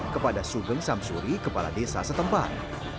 kepada sugeng samsuri kepala desa setempat